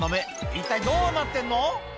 一体どうなってんの？